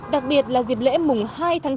đặc biệt là dịp lễ mùng hai tháng chín